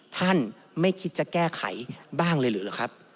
ท่านไม่คิดจะแก้ไขบ้างเลยหรือหรือครับ